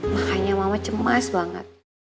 makanya mama cemas banget